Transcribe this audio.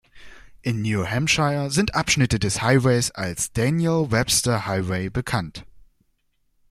In New Hampshire sind Abschnitte des Highways als "Daniel Webster Highway" bekannt.